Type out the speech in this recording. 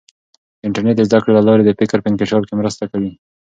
د انټرنیټ د زده کړې له لارې د فکر په انکشاف کې مرسته کوي.